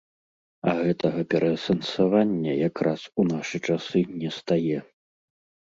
А гэтага пераасэнсавання як раз у нашы часы не стае.